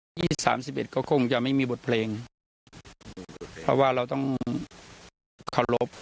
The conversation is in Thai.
ที่สามสิบเอ็ดก็คงจะไม่มีบทเพลงเพราะว่าเราต้องเคารพ